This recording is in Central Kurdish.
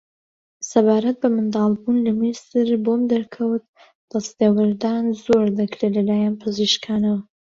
سەبارەت بە منداڵبوون لە میسر بۆم دەرکەوت دەستێوەردان زۆر دەکرێ لە لایەن پزیشکانەوە